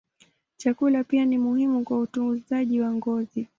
Chakula pia ni muhimu kwa utunzaji wa ngozi.